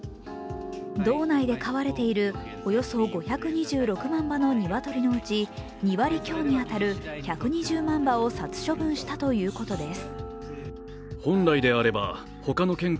道内で飼われているおよそ５２６万羽の鶏のうち、２割強に当たる１２０万羽を殺処分したということです。